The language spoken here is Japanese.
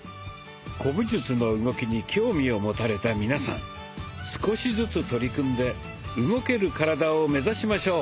古武術の動きに興味を持たれた皆さん少しずつ取り組んで動ける体を目指しましょう。